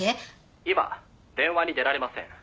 「今電話に出られません」